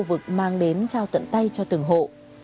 khu vực mang đến trao tận tay cho từng hộ